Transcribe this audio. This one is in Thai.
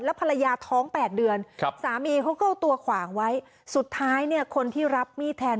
แล้วภรรยาท้อง๘เดือนสามีเค้าก็เอาตัวขวางไว้สุดท้ายคนที่รับมีทแทน